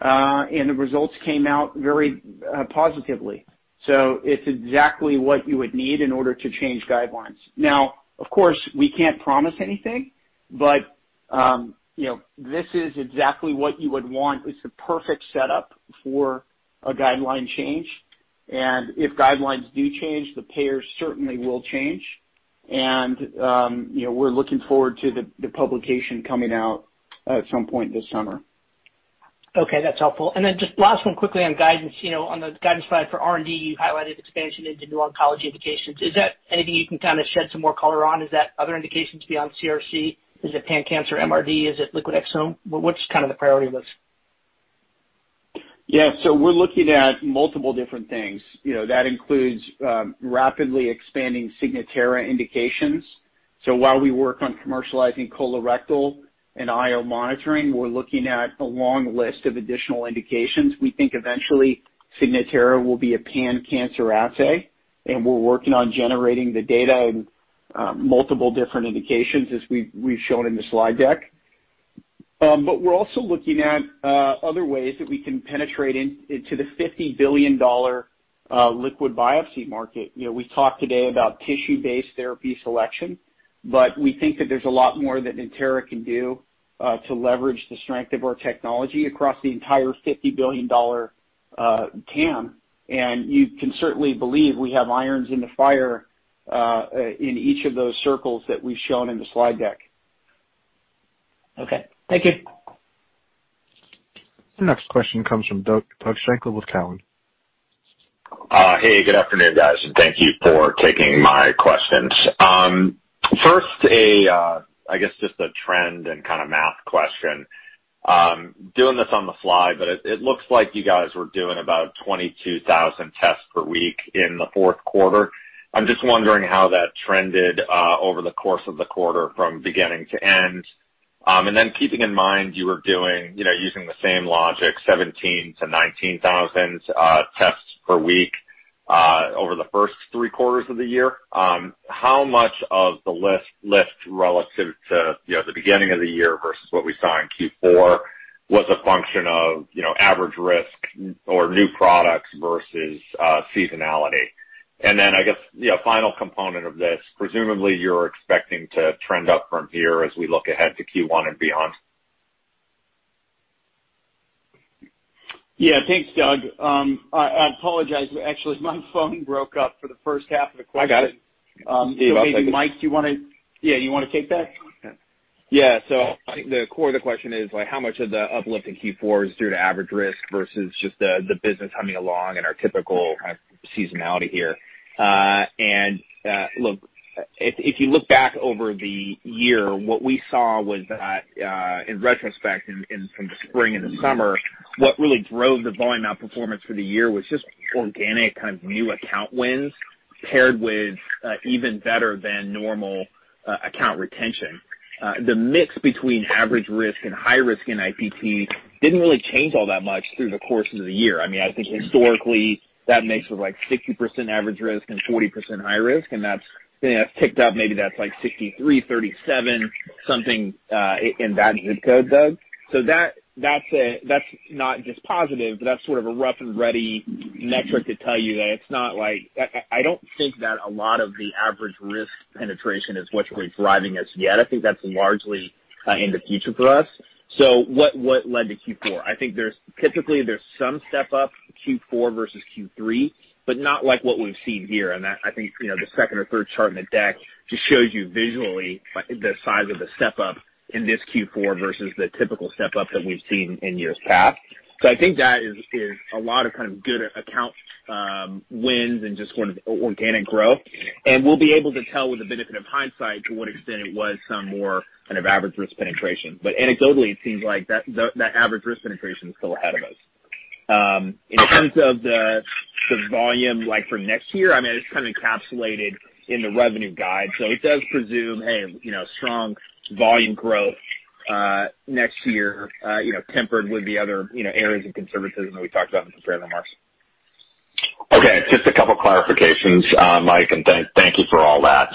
and the results came out very positively. It's exactly what you would need in order to change guidelines. Now, of course, we can't promise anything, but this is exactly what you would want. It's the perfect setup for a guideline change, and if guidelines do change, the payers certainly will change. We're looking forward to the publication coming out at some point this summer. Okay, that's helpful. Just last one quickly on guidance. On the guidance slide for R&D, you highlighted expansion into new oncology indications. Is that anything you can kind of shed some more color on? Is that other indications beyond CRC? Is it pan-cancer MRD? Is it liquid exome? What's the priority list? We're looking at multiple different things. That includes rapidly expanding Signatera indications. While we work on commercializing colorectal and IO monitoring, we're looking at a long list of additional indications. We think eventually Signatera will be a pan-cancer assay, and we're working on generating the data in multiple different indications as we've shown in the slide deck. We're also looking at other ways that we can penetrate into the $50 billion liquid biopsy market. We talked today about tissue-based therapy selection, but we think that there's a lot more that Natera can do to leverage the strength of our technology across the entire $50 billion TAM, and you can certainly believe we have irons in the fire in each of those circles that we've shown in the slide deck. Okay. Thank you. The next question comes from Doug Schenkel with Cowen. Hey, good afternoon, guys. Thank you for taking my questions. First, I guess just a trend and kind of math question. Doing this on the fly, it looks like you guys were doing about 22,000 tests per week in the fourth quarter. I'm just wondering how that trended over the course of the quarter from beginning to end. Keeping in mind you were doing, using the same logic, 17,000-19,000 tests per week over the first three quarters of the year. How much of the lift relative to the beginning of the year versus what we saw in Q4 was a function of average-risk or new products versus seasonality? I guess the final component of this, presumably you're expecting to trend up from here as we look ahead to Q1 and beyond. Yeah. Thanks, Doug. I apologize. Actually, my phone broke up for the first half of the question. I got it. Maybe, Mike, do you want to take that? Yeah. I think the core of the question is how much of the uplift in Q4 is due to average-risk versus just the business humming along and our typical kind of seasonality here. Look, if you look back over the year, what we saw was that in retrospect, from the spring and the summer, what really drove the volume outperformance for the year was just organic kind of new account wins paired with even better than normal account retention. The mix between average-risk and high risk in NIPT didn't really change all that much through the course of the year. I think historically that makes for 60% average-risk and 40% high risk, that's ticked up. Maybe that's 63/37 something in that (ZIP code), Doug. That's not just positive, but that's sort of a rough and ready metric to tell you that it's not like, I don't think that a lot of the average-risk penetration is what's really driving us yet. I think that's largely in the future for us. What led to Q4? I think typically there's some step-up Q4 versus Q3, but not like what we've seen here. I think the second or third chart in the deck just shows you visually the size of the step-up in this Q4 versus the typical step-up that we've seen in years past. I think that is a lot of good account wins and just organic growth. We'll be able to tell with the benefit of hindsight to what extent it was some more kind of average-risk penetration. Anecdotally, it seems like that average-risk penetration is still ahead of us. In terms of the volume for next year, it's kind of encapsulated in the revenue guide. It does presume a strong volume growth next year tempered with the other areas of conservatism that we talked about in the prepared remarks. Okay. Just a couple of clarifications, Mike, and thank you for all that.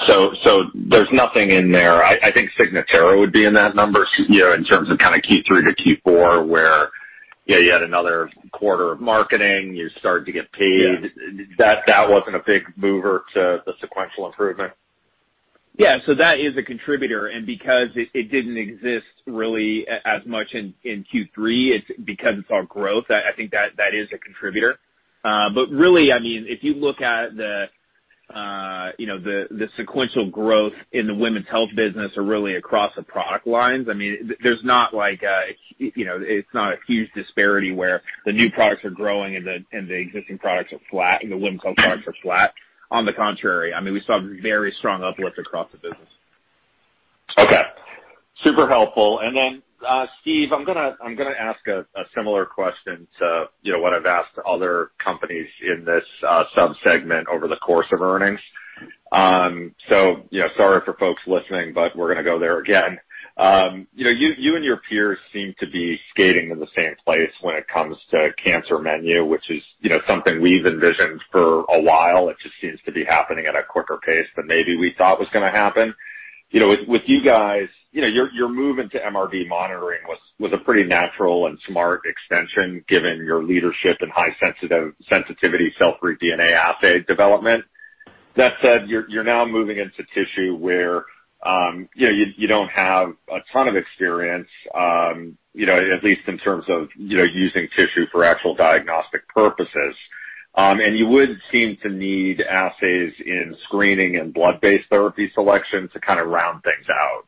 There's nothing in there. I think Signatera would be in that number in terms of kind of Q3 to Q4, where you had another quarter of marketing, you started to get paid. Yeah. That wasn't a big mover to the sequential improvement. Yeah. That is a contributor, Because it didn't exist really as much in Q3, it's because it's our growth. I think that is a contributor. Really, if you look at the sequential growth in the women's health business or really across the product lines, it's not a huge disparity where the new products are growing and the existing products are flat, the women's health products are flat. On the contrary, we saw very strong uplift across the business. Okay. Super helpful. Steve, I'm going to ask a similar question to what I've asked other companies in this sub-segment over the course of earnings. Sorry for folks listening, but we're going to go there again. You and your peers seem to be skating in the same place when it comes to cancer menu, which is something we've envisioned for a while. It just seems to be happening at a quicker pace than maybe we thought was going to happen. With you guys, your movement to MRD monitoring was a pretty natural and smart extension, given your leadership in high sensitivity cell-free DNA assay development. That said, you're now moving into tissue where you don't have a ton of experience, at least in terms of using tissue for actual diagnostic purposes. You would seem to need assays in screening and blood-based therapy selection to kind of round things out.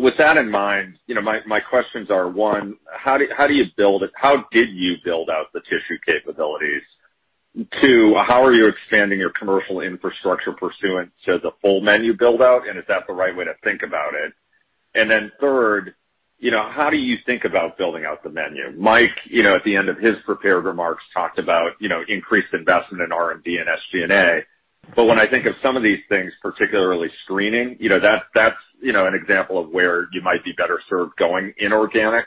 With that in mind, my questions are, one, how did you build out the tissue capabilities? Two, how are you expanding your commercial infrastructure pursuant to the full menu build-out, and is that the right way to think about it? Third, how do you think about building out the menu? Mike, at the end of his prepared remarks, talked about increased investment in R&D and SG&A. When I think of some of these things, particularly screening, that's an example of where you might be better served going inorganic.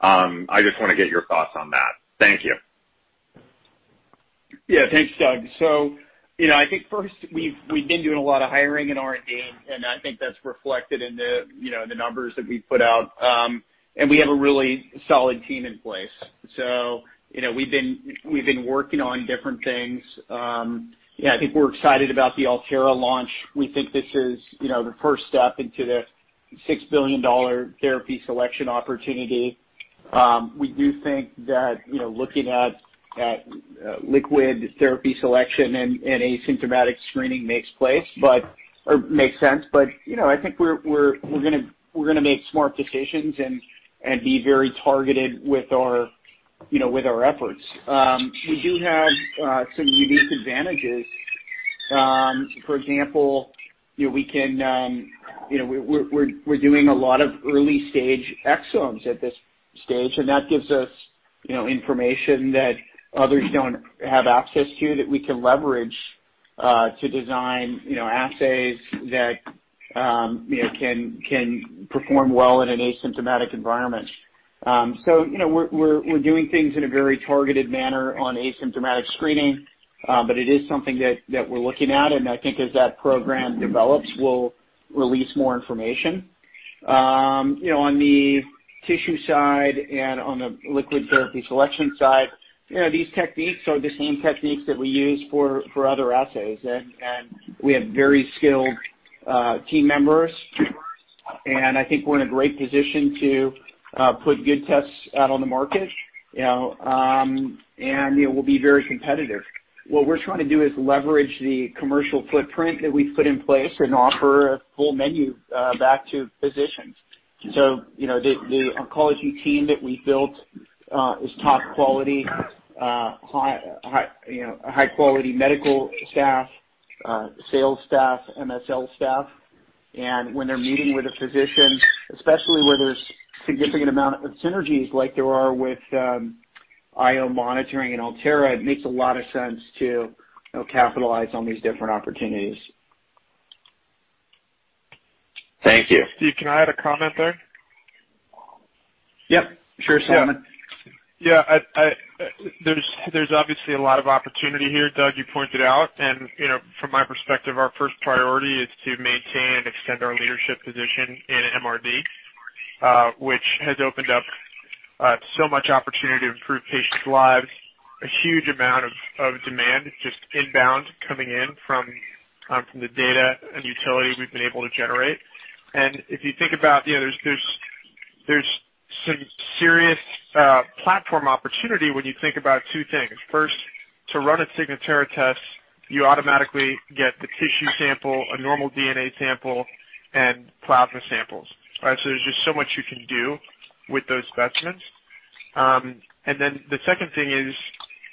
I just want to get your thoughts on that. Thank you. Yeah. Thanks, Doug. First, I think we've been doing a lot of hiring in R&D, and I think that's reflected in the numbers that we put out. We have a really solid team in place. We've been working on different things. I think we're excited about the Altera launch. We think this is the first step into the $6 billion therapy selection opportunity. We do think that looking at liquid therapy selection and asymptomatic screening makes sense, but I think we're going to make smart decisions and be very targeted with our efforts. We do have some unique advantages. For example, we're doing a lot of early-stage exomes at this stage, and that gives us information that others don't have access to that we can leverage to design assays that can perform well in an asymptomatic environment. We're doing things in a very targeted manner on asymptomatic screening, but it is something that we're looking at, and I think as that program develops, we'll release more information. On the tissue side and on the liquid therapy selection side, these techniques are the same techniques that we use for other assays, and we have very skilled team members, and I think we're in a great position to put good tests out on the market, and we'll be very competitive. What we're trying to do is leverage the commercial footprint that we've put in place and offer a full menu back to physicians. The oncology team that we built is top quality, high-quality medical staff, sales staff, MSL staff. When they're meeting with a physician, especially where there's significant amount of synergies like there are with IO monitoring and Altera, it makes a lot of sense to capitalize on these different opportunities. Thank you. Steve, can I add a comment there? Yep. Sure, Solomon. Yeah. There's obviously a lot of opportunity here, Doug, you pointed out. From my perspective, our first priority is to maintain and extend our leadership position in MRD, which has opened up so much opportunity to improve patients' lives, a huge amount of demand, just inbound coming in from the data and utility we've been able to generate. If you think about it, there's some serious platform opportunity when you think about two things. First, to run a Signatera test, you automatically get the tissue sample, a normal DNA sample, and plasma samples. All right? There's just so much you can do with those specimens. The second thing is,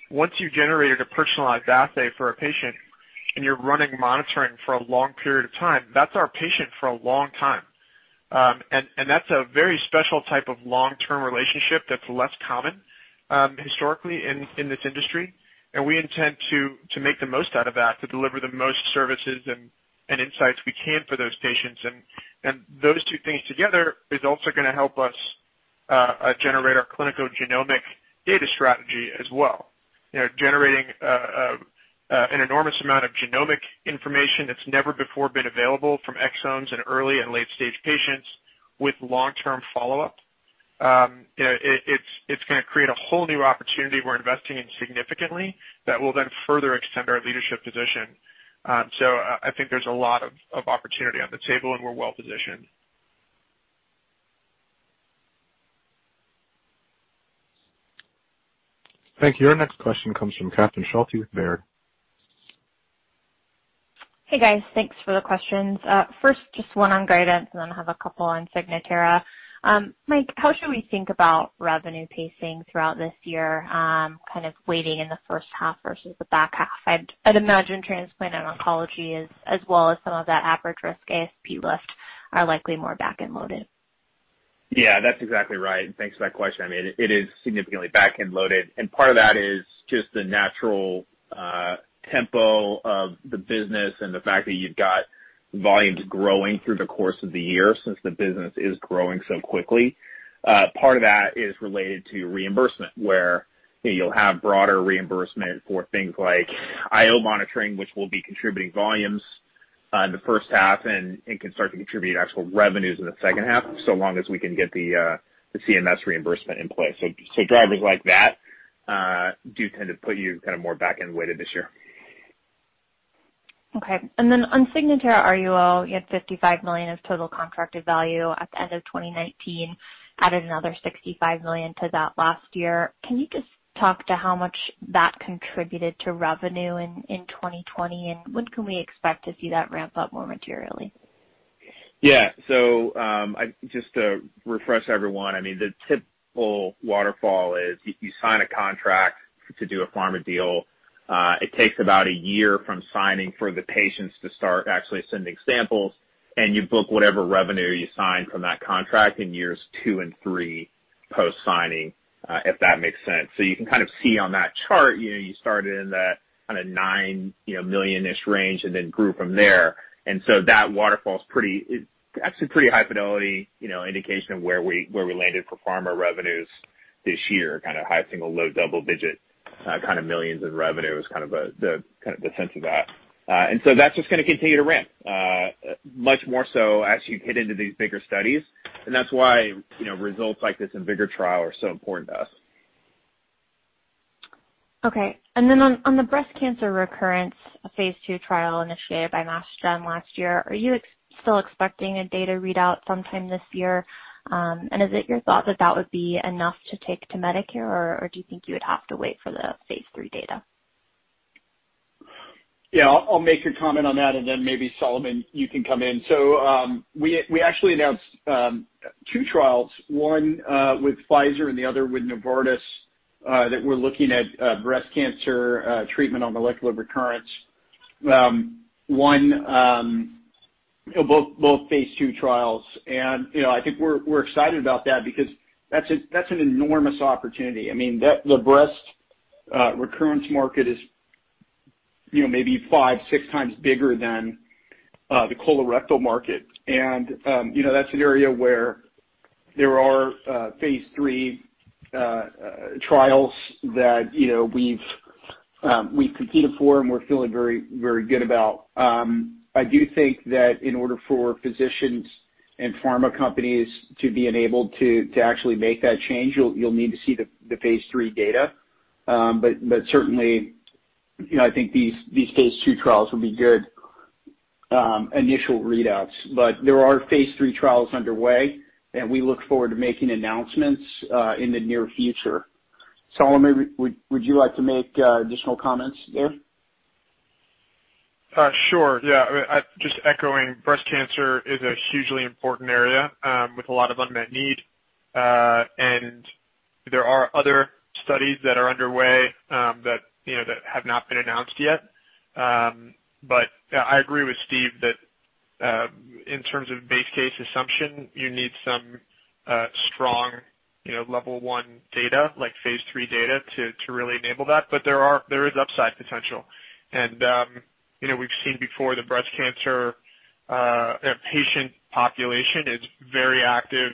once you've generated a personalized assay for a patient and you're running monitoring for a long period of time, that's our patient for a long time. That's a very special type of long-term relationship that's less common, historically, in this industry. We intend to make the most out of that, to deliver the most services and insights we can for those patients. Those two things together is also going to help us generate our clinical genomic data strategy as well. Generating an enormous amount of genomic information that's never before been available from exomes in early and late-stage patients with long-term follow-up. It's going to create a whole new opportunity we're investing in significantly that will further extend our leadership position. I think there's a lot of opportunity on the table, and we're well-positioned. Thank you. Our next question comes from Catherine Schulte with Baird. Hey, guys. Thanks for the questions. Just one on guidance and then I have a couple on Signatera. Mike, how should we think about revenue pacing throughout this year, kind of weighting in the first half versus the back half? I'd imagine transplant and oncology, as well as some of that average-risk ASP lift, are likely more back-end loaded. Yeah, that's exactly right, and thanks for that question. It is significantly back-end loaded, and part of that is just the natural tempo of the business and the fact that you've got volumes growing through the course of the year since the business is growing so quickly. Part of that is related to reimbursement, where you'll have broader reimbursement for things like IO monitoring, which will be contributing volumes in the first half and can start to contribute actual revenues in the second half, so long as we can get the CMS reimbursement in place. Drivers like that do tend to put you more back-end weighted this year. Okay. On Signatera RUO, you had $55 million as total contracted value at the end of 2019, added another $65 million to that last year. Can you just talk to how much that contributed to revenue in 2020, and when can we expect to see that ramp up more materially? Yeah. Just to refresh everyone, the typical waterfall is you sign a contract to do a pharma deal. It takes about a year from signing for the patients to start actually sending samples, you book whatever revenue you sign from that contract in years two and three post-signing, if that makes sense. You can kind of see on that chart, you started in the $9 million-ish range grew from there. That waterfall is actually pretty high fidelity indication of where we landed for pharma revenues this year, high single, low double-digit millions in revenue is the sense of that. That's just going to continue to ramp, much more so as you hit into these bigger studies. That's why results like this in bigger trial are so important to us. Okay. Then on the breast cancer recurrence, a phase II trial initiated by Massachusetts General Hospital last year, are you still expecting a data readout sometime this year? Is it your thought that that would be enough to take to Medicare, or do you think you would have to wait for the phase III data? Yeah, I'll make a comment on that and then maybe Solomon, you can come in. We actually announced two trials, one with Pfizer and the other with Novartis, that we're looking at breast cancer treatment on molecular recurrence. Both phase II trials, and I think we're excited about that because that's an enormous opportunity. The breast recurrence market is maybe five, six times bigger than the colorectal market. That's an area where there are phase III trials that we've competed for and we're feeling very good about. I do think that in order for physicians and pharma companies to be enabled to actually make that change, you'll need to see the phase III data. Certainly, I think these phase II trials will be good initial readouts. There are phase III trials underway, and we look forward to making announcements in the near future. Solomon, would you like to make additional comments there? Sure. Yeah. Just echoing, breast cancer is a hugely important area with a lot of unmet need. There are other studies that are underway that have not been announced yet. I agree with Steve that in terms of base case assumption, you need some strong Level 1 data, like phase III data, to really enable that. There is upside potential. We've seen before, the breast cancer patient population is very active,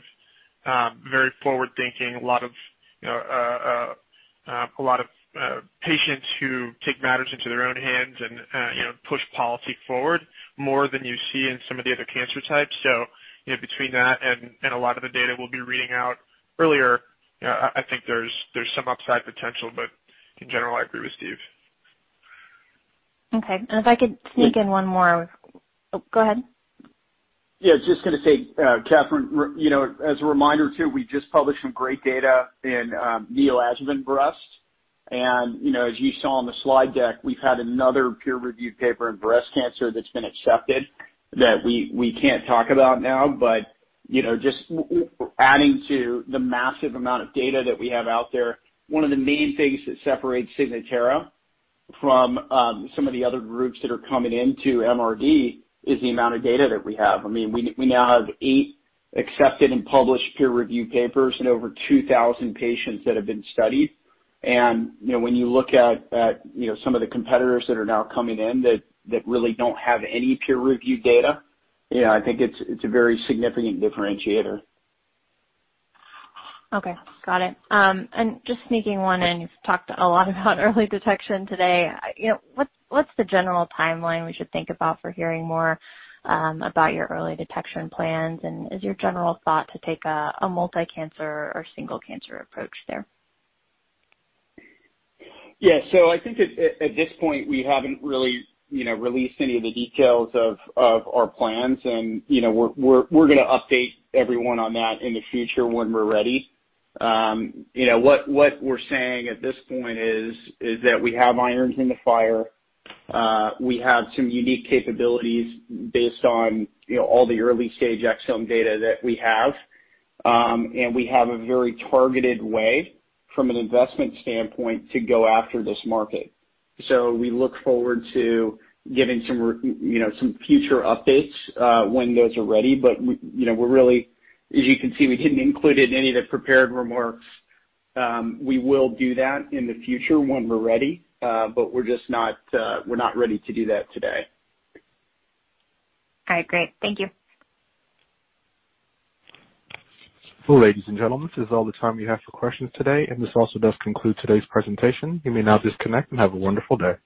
very forward-thinking. A lot of patients who take matters into their own hands and push policy forward more than you see in some of the other cancer types. Between that and a lot of the data we'll be reading out earlier, I think there's some upside potential. In general, I agree with Steve. Okay. Oh, go ahead. Yeah, just going to say, Catherine, as a reminder too, we just published some great data in neratinib breast. As you saw on the slide deck, we've had another peer-reviewed paper in breast cancer that's been accepted that we can't talk about now, but just adding to the massive amount of data that we have out there. One of the main things that separates Signatera from some of the other groups that are coming into MRD is the amount of data that we have. We now have eight accepted and published peer-review papers in over 2,000 patients that have been studied. When you look at some of the competitors that are now coming in that really don't have any peer-reviewed data, I think it's a very significant differentiator. Okay, got it. Just sneaking one in, you've talked a lot about early detection today. What's the general timeline we should think about for hearing more about your early detection plans, and is your general thought to take a multi-cancer or single cancer approach there? Yeah. I think at this point, we haven't really released any of the details of our plans, and we're going to update everyone on that in the future when we're ready. What we're saying at this point is that we have irons in the fire. We have some unique capabilities based on all the early-stage exome data that we have, and we have a very targeted way from an investment standpoint to go after this market. We look forward to giving some future updates when those are ready. As you can see, we didn't include it in any of the prepared remarks. We will do that in the future when we're ready. We're not ready to do that today. All right, great. Thank you. Well, ladies and gentlemen, this is all the time we have for questions today, and this also does conclude today's presentation. You may now disconnect, and have a wonderful day.